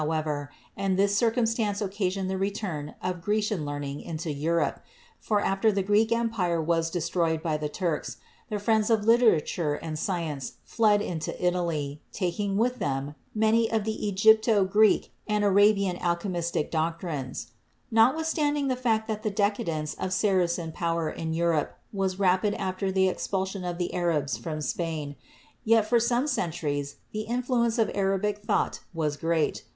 ever, and this circumstance occasioned the return of Gre cian learning into Europe ; for after the Greek empire was destroyed by the Turks, the friends of literature and sci ence fled into Italy, taking with them many of the Egypto Greek and Arabian alchemistic doctrines. THE EARLY ALCHEMISTS 33 Notwithstanding the fact that the decadence of Saracen power in Europe was rapid after the expulsion of the Arabs from Spain, yet for some centuries the influence of Arabic thought was great.